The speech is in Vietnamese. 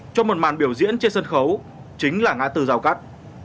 cho một màn biểu diễn trên sân khấu chính là ngã tử rào cắt